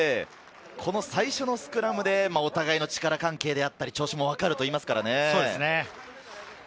最初のスクラムでお互いの力関係であったり、調子も分かるといいますからね。